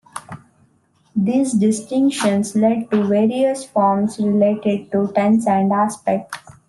These distinctions lead to various forms related to tense and aspect.